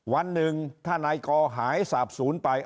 วันหนึ่งถ้านายกอหายสาบศูนย์ไป